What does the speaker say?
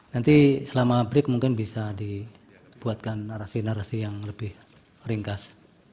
nanti selama break mungkin bisa dibuatkan narasi narasi yang lebih ringkas